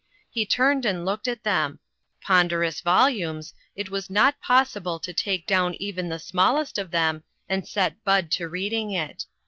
He turned and looked at them ; pon derous volumes , it was not possible to take down even the smallest of them and set Bud to reading it.